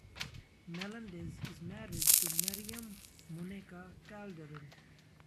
Melendez is married to Miriam "Muneca" Calderin.